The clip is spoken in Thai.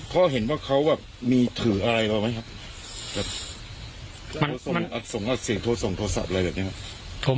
พ่อเห็นว่าเขาแบบมีถืออะไรเราไหมครับแบบมันส่งอัดเสียงโทรส่งโทรศัพท์อะไรแบบนี้ครับ